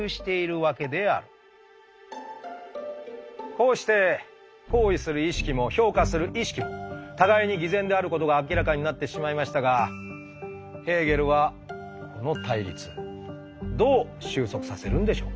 こうして行為する意識も評価する意識も互いに偽善であることが明らかになってしまいましたがヘーゲルはこの対立どう収束させるんでしょうか？